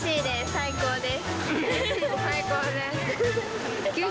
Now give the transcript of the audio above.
最高です。